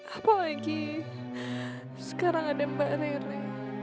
apalagi sekarang ada mbak neri